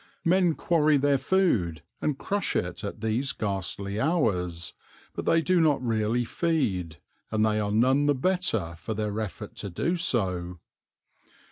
Men quarry their food and crush it at these ghastly hours, but they do not really feed, and they are none the better for their effort so to do.